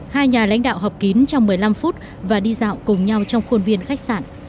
hai nhà lãnh đạo họp kín trong một mươi năm phút và đi dạo cùng nhau trong khuôn viên khách sạn